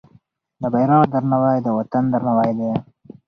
د بیرغ درناوی د وطن درناوی دی.